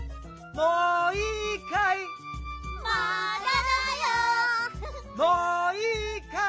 もういいかい？